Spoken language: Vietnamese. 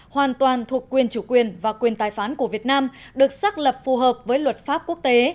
hoàn toàn thuộc quyền chủ quyền và quyền tài phán của việt nam được xác lập phù hợp với luật pháp quốc tế